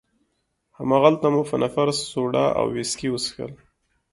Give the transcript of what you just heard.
هماغلته مو په نفر سوډا او ویسکي وڅښل.